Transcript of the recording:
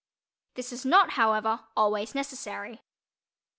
This is not, however, always necessary.